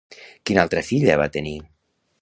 Quina altra filla va tenir?